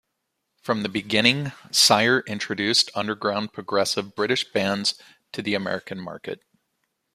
From the beginning, Sire introduced underground, progressive British bands to the American market.